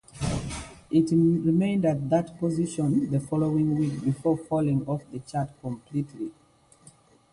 It remained at that position the following week, before falling off the chart completely.